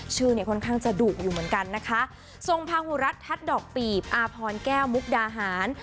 ชื่อเนี่ยค่อนข้างจะดุอยู่เหมือนกันนะคะทรงพาหูรัฐทัศน์ดอกปีบอาพรแก้วมุกดาหาร